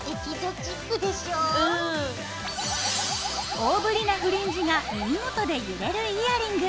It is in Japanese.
大ぶりなフリンジが耳元で揺れるイヤリング。